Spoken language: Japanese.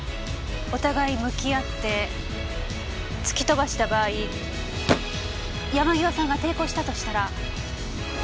お互い向き合って突き飛ばした場合山際さんが抵抗したとしたら。